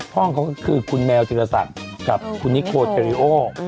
ห้องเขาก็คือคุณแมวจีรศักดิ์กับคุณนิโคเจริโอ